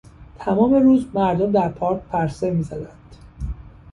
تمام روز مردم در پارک پرسه میزدند.